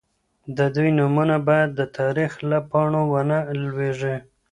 د دوی نومونه باید د تاریخ له پاڼو ونه لوېږي.